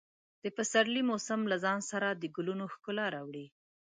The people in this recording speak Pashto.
د پسرلي موسم له ځان سره د ګلونو ښکلا راوړي.